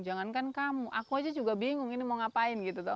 jangankan kamu aku aja juga bingung ini mau ngapain gitu